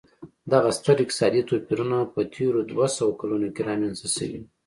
دغه ستر اقتصادي توپیرونه په تېرو دوه سوو کلونو کې رامنځته شوي.